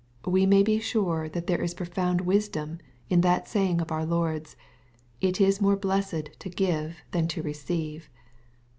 We may be sure there is profound wisdom in that saying of ourLord'8,"It is more blessed to give than to receive.''